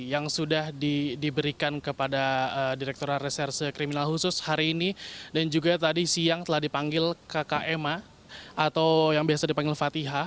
yang sudah diberikan kepada direkturat reserse kriminal khusus hari ini dan juga tadi siang telah dipanggil kkma atau yang biasa dipanggil fatihah